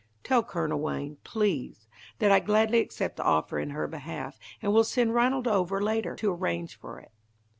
Tell Colonel Wayne, please, that I gladly accept the offer in her behalf, and will send Ranald over later, to arrange for it."